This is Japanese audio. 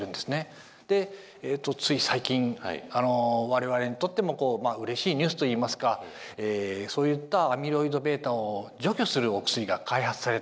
でえとつい最近我々にとってもうれしいニュースといいますかそういったアミロイドβを除去するお薬が開発された。